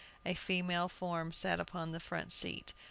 A female form sat upon the front seat.